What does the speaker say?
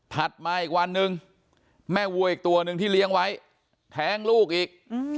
มาอีกวันหนึ่งแม่วัวอีกตัวหนึ่งที่เลี้ยงไว้แท้งลูกอีก